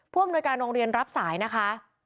อำนวยการโรงเรียนรับสายนะคะ